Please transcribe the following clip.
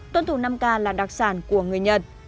tuân thủ năm k là đặc sản của người nhật